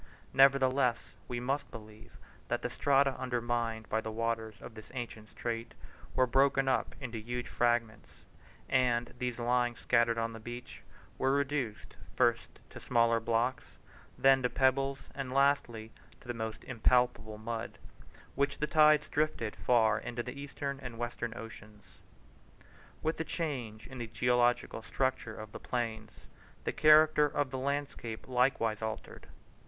Nevertheless, we must believe that the strata undermined by the waters of this ancient strait, were broken up into huge fragments, and these lying scattered on the beach were reduced first to smaller blocks, then to pebbles and lastly to the most impalpable mud, which the tides drifted far into the Eastern or Western Ocean. With the change in the geological structure of the plains the character of the landscape likewise altered.